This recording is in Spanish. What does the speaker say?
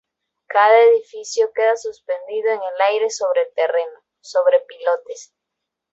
Cada edificio queda suspendido en el aire sobre el terreno, sobre pilotes.